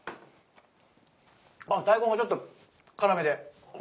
あっ大根がちょっと辛めで。